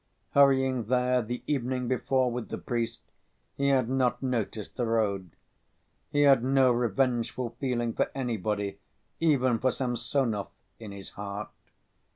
Hurrying there the evening before with the priest, he had not noticed the road. He had no revengeful feeling for anybody, even for Samsonov, in his heart.